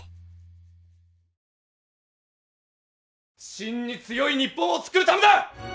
真に強い日本を作るためだ。